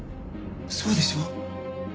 そうでしょ？